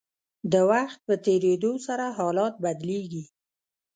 د وخت په تیریدو سره حالات بدلیږي.